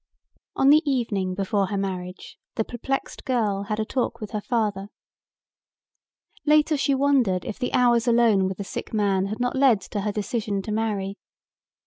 On the evening before her marriage the perplexed girl had a talk with her father. Later she wondered if the hours alone with the sick man had not led to her decision to marry.